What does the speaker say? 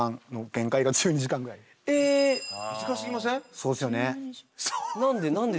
そうですよね。